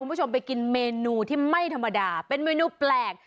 คุณผู้ชมไปกินเมนูที่ไม่ธรรมดาเป็นเมนูแปลก